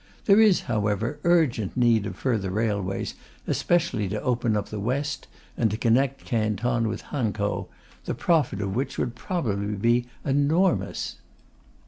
There is, however, urgent need of further railways, especially to open up the west and to connect Canton with Hankow, the profit of which would probably be enormous.